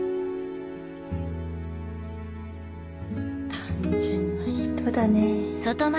単純な人だね。